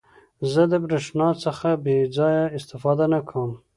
زه د برېښنا څخه بې ځایه استفاده نه کوم.